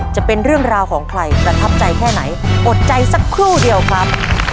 จะเป็นเรื่องราวของใครประทับใจแค่ไหนอดใจสักครู่เดียวครับ